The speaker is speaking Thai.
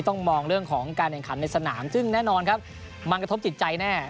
ต้องมองเรื่องของการแข่งขันในสนามซึ่งแน่นอนครับมันกระทบจิตใจแน่